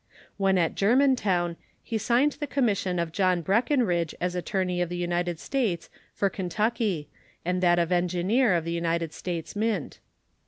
When at Germantown he signed the commission of John Breckenridge as attorney of the United States for Kentucky, and that of engineer of the United States Mint.